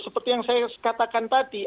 seperti yang saya katakan tadi